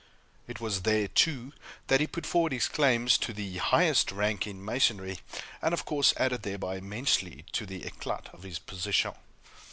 It was there, too, that he put forward his claims to the highest rank in Masonry; and, of course, added, thereby, immensely to the éclat of his position.